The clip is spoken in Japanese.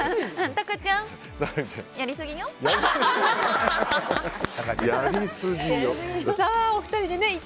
高ちゃん、やりすぎよっ。